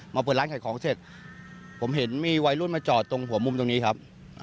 เปิดร้านขายของเสร็จผมเห็นมีวัยรุ่นมาจอดตรงหัวมุมตรงนี้ครับ